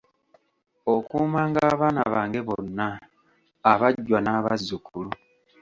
Okuumanga abaana bange bonna, abajjwa n'abazzukulu